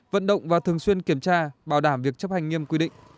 vận động và thường xuyên kiểm tra bảo đảm việc chấp hành nghiêm quy định